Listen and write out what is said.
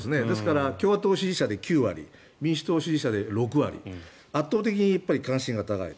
共和党支持者で９割民主党支持者で６割圧倒的に関心が高い。